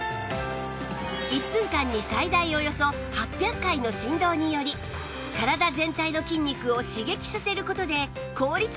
１分間に最大およそ８００回の振動により体全体の筋肉を刺激させる事で効率よくトレーニング！